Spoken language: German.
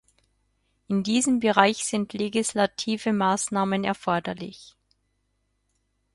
In diesem Bereich sind legislative Maßnahmen erforderlich.